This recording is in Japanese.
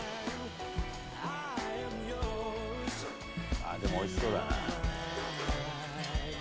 あぁでもおいしそうだな。